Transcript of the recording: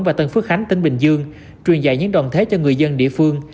và tân phước khánh tỉnh bình dương truyền dạy những đoàn thế cho người dân địa phương